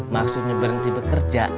maksudnya berhenti bekerja